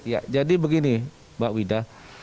ya jadi begini mbak wida